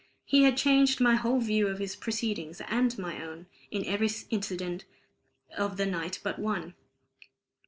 He had changed my whole view of his proceedings and my own, in every incident of the night but one.